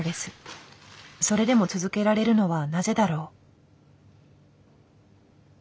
それでも続けられるのはなぜだろう？